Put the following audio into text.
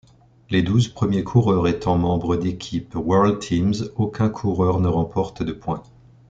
Les douze premiers coureurs étant membres d'équipes WorldTeams, aucun coureur ne remporte de points.